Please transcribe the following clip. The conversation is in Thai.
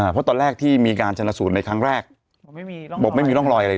เพราะตอนแรกที่มีการชนะสูตรในครั้งแรกบอกไม่มีร่องรอยอะไร